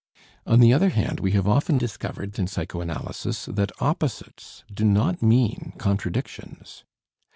On the other hand, we have often discovered in psychoanalysis that opposites do not mean contradictions.